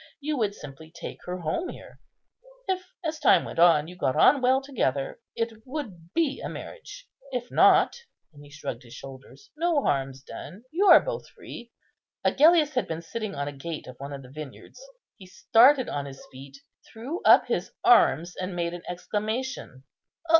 You would simply take her home here; if, as time went on, you got on well together, it would be a marriage; if not,"—and he shrugged his shoulders—"no harm's done; you are both free." Agellius had been sitting on a gate of one of the vineyards; he started on his feet, threw up his arms, and made an exclamation.